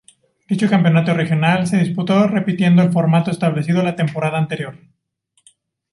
Dicho campeonato regional se disputó repitiendo el formato establecido la temporada anterior.